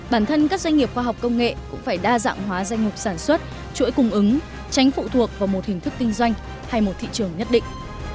bản thân các doanh nghiệp khoa học công nghệ cũng phải đa dạng hóa danh mục sản xuất chuỗi cung ứng tránh phụ thuộc vào một hình thức kinh doanh hay một thị trường nhất định